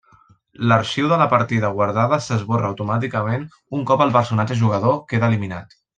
L'arxiu de la partida guardada s'esborra automàticament un cop el personatge jugador queda eliminat.